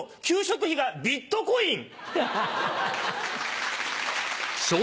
給食費がビットコイン！